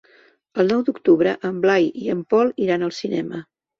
El nou d'octubre en Blai i en Pol iran al cinema.